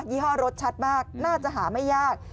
เพราะว่ารสชัดมากน่าจะหาไม่ยาก